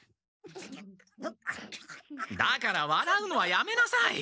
だからわらうのはやめなさい！